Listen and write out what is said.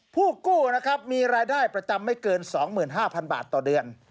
ผู้กู้นะครับมีรายได้ประจำไม่เกิน๒๕๐๐๐บาทต่อเดือน